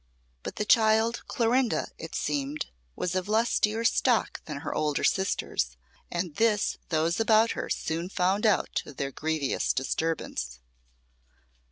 But the child Clorinda, it seemed, was of lustier stock than her older sisters, and this those about her soon found out to their grievous disturbance.